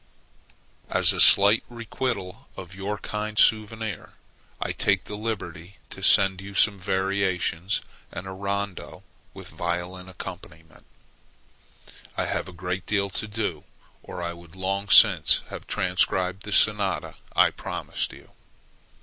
As a slight requital of your kind souvenir, I take the liberty to send you some variations, and a Rondo with violin accompaniment. I have a great deal to do, or I would long since have transcribed the Sonata I promised you.